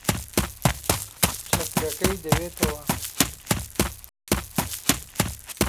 چەترەکەی دەوێتەوە.